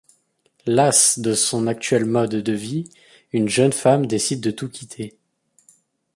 Lasse de son actuel mode de vie, une jeune femme décide de tout quitter.